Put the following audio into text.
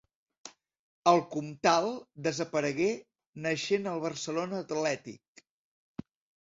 El Comtal desaparegué, naixent el Barcelona Atlètic.